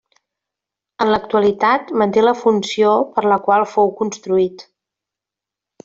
En l'actualitat manté la funció per a la qual fou construït.